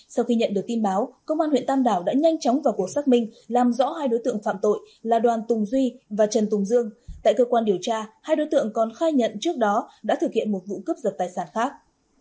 sau khi nhận được tin báo công an huyện tam đảo đã nhanh chóng vào cuộc xác minh làm rõ hai đối tượng phạm tội là đoàn tùng duy và trần tùng dương tại cơ quan điều tra hai đối tượng còn khai nhận trước đó đã thực hiện một vụ cướp giật tài sản khác